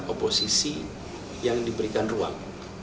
oposisi yang diberikan ruang